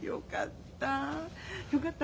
よかった。